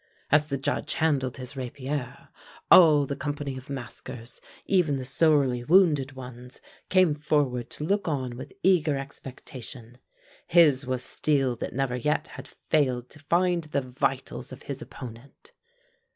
As the Judge handled his rapier, all the company of maskers, even the sorely wounded ones, came forward to look on with eager expectation. His was steel that never yet had failed to find the vitals of his opponent.